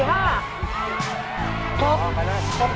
เร็วเร็ว